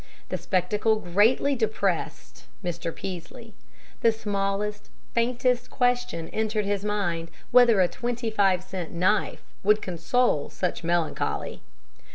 The spectacle greatly depressed Mr. Peaslee. The smallest, faintest question entered his mind whether a twenty five cent knife would console such melancholy.